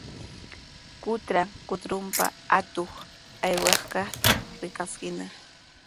Qutra kutrunpa atuq aywaykaqta rikaskinaq.